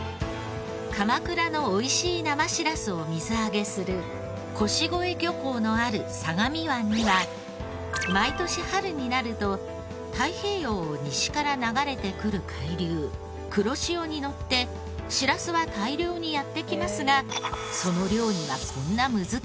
鎌倉の美味しい生しらすを水揚げする腰越漁港のある相模湾には毎年春になると太平洋を西から流れてくる海流黒潮にのってしらすは大量にやって来ますが。